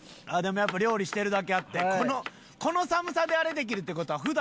でもやっぱ料理してるだけあってこの寒さであれできるって事は。